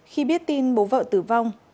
khi biết tin bố vợ tử vong